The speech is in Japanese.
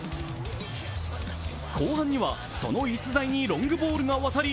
後半にはその逸材にロングボールがわたり